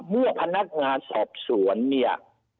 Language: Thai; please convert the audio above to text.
เมื่อพนักงานสอบสวนเนี่ย